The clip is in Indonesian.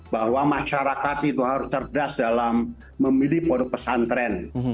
bahwa masyarakat itu harus cerdas dalam memilih produk pesantren